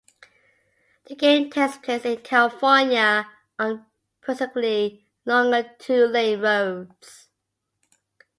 The game takes place in California, on progressively longer two-lane roads.